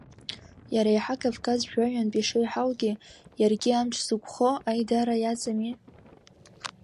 Иареиҳа Кавказ жәаҩантә ишеиҳаугьы, иаргьы амч зықәхо аидара иаҵами.